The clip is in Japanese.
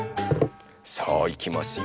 さあいきますよ。